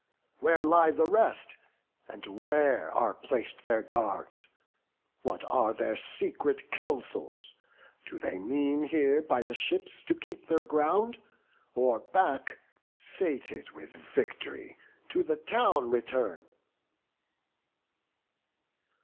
Where lie the rest? and where are plac'd their guards? What are their secret counsels? do they mean Here by the ships to keep their ground, or back, Sated with vict'ry, to the town return?"